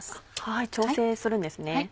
調整するんですね。